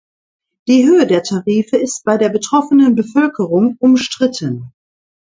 Die Höhe der Tarife ist bei der betroffenen Bevölkerung umstritten.